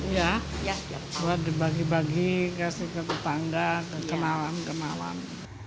ya dibagi bagi kasih ke tetangga ke kenalan